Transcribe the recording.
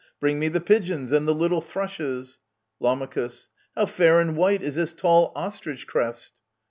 Bring me the pigeons and the little thrushes ! Lam. How fair and white is this tall ostrich crest